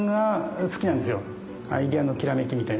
アイデアのきらめきみたいな。